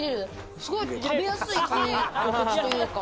すごい食べやすい噛み心地というか。